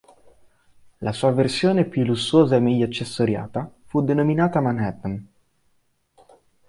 La sua versione più lussuosa e meglio accessoriata fu denominata Manhattan.